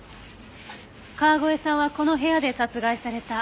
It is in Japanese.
川越さんはこの部屋で殺害された。